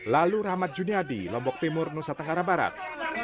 lalu rahmat juniadi lombok timur nusa tenggara barat